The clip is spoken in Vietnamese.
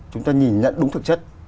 chúng ta nhìn nhận đúng thực chất